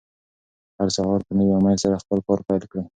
هر سهار په نوي امېد سره خپل کار پیل کړئ.